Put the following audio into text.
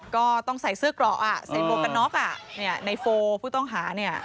ก็ต้องใส่เสื้อเกราะอ่ะใส่หมวกกันน็อกอ่ะเนี่ยในโฟผู้ต้องหาเนี่ย